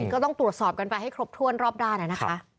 ก็ต้องตรวจสอบกันไปให้ครบถ้วนรอบด้านนะคะ